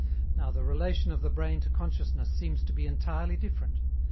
Now, the relation of the brain to consciousness seems to be entirely different.